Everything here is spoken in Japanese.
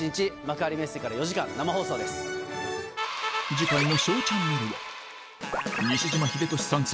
次回の『ＳＨＯＷチャンネル』は西島秀俊参戦！